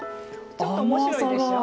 ちょっと面白いでしょう。